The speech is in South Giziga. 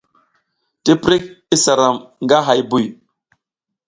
Tiprik isa ram nga hay buy.